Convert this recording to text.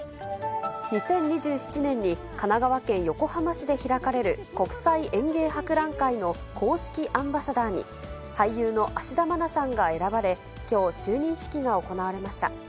２０２７年に神奈川県横浜市で開かれる、国際園芸博覧会の公式アンバサダーに、俳優の芦田愛菜さんが選ばれ、きょう、就任式が行われました。